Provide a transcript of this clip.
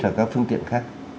và các phương tiện khác